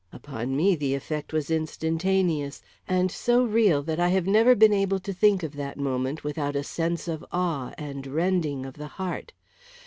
Upon me the effect was instantaneous, and so real that I have never been able to think of that moment without a sense of awe and rending of the heart.